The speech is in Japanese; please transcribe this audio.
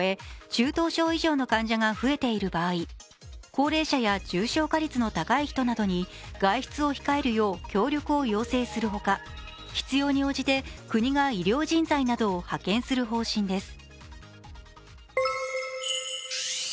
中等症以上の患者が増えている場合高齢者や重症化率の高い人などに外出を控えるよう協力を要請するほか、必要に応じて国が医療人材などを派遣する方針です。